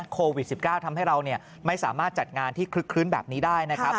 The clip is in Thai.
โควิด๑๙ทำให้เราไม่สามารถจัดงานที่คลึกคลื้นแบบนี้ได้นะครับ